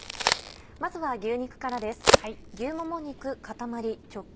まずは牛肉からです。